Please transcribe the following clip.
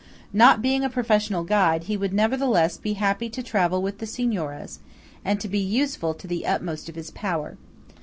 Not being a professional guide, he would nevertheless be happy to travel with the Signoras, and to be useful to the utmost of his power.